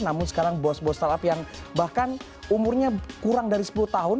namun sekarang bos bos startup yang bahkan umurnya kurang dari sepuluh tahun